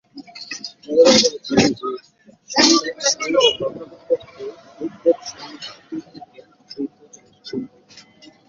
Weber বলেছেন, যে সামবেদ সংহিতা প্রকৃতপক্ষে ঋগ্বেদ সংহিতা থেকে গৃহীত মন্ত্র-সংকলন।